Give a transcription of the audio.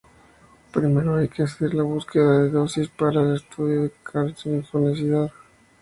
Primero hay que hacer la búsqueda de dosis para el estudio de carcinogenicidad.